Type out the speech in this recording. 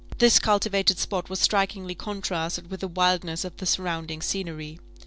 This cultivated spot was strikingly contrasted with the wildness of the surrounding scenery.